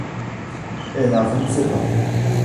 elle a vingt-sept ans.